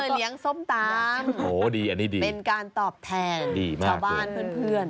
ก็เลยเลี้ยงส้มตำโหดีอันนี้ดีเป็นการตอบแทนชาวบ้านเพื่อน